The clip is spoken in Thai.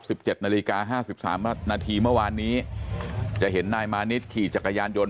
สิบเจ็ดนาฬิกาห้าสิบสามนาทีเมื่อวานนี้จะเห็นนายมานิดขี่จักรยานยนต